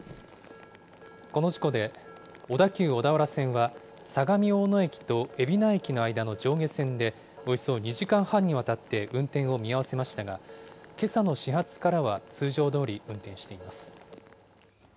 この事故で、小田急小田原線は、相模大野駅と海老名駅の間の上下線でおよそ２時間半にわたって運転を見合わせましたが、けさの始発からは通常どおり運転しています。